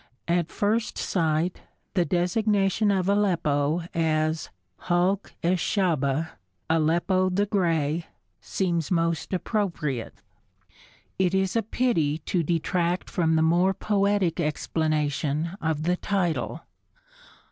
At first sight the designation of Aleppo as Halch es Shahba Aleppo the Gray seems most appropriate. It is a pity to detract from the more poetic explanation of the title.